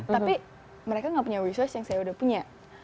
tapi mereka gak punya resource yang saya udah punya